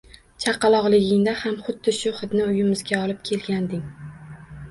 Chaqaloqligingda ham xuddi shu hidni uyimizga olib kelganding